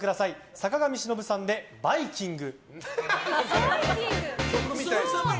坂上忍さんで「バイキング」。